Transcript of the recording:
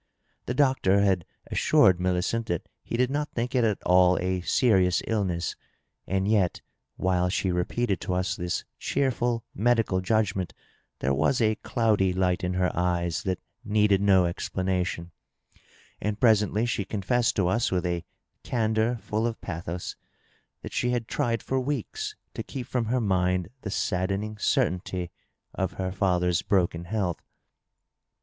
The doctor had assured Millicent that he did not think it at all a serious illness, and yet while she repeated to us this cheerful medical judgment there was a cloudy hVht in her eyes that needed no explanation ; and presently she confessed to us, with a candor full of pathos, that she had tried for weeks to keep from her mind the saddening certainty of her father's broken health.